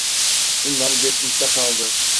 Bunlar geçmişte kaldı.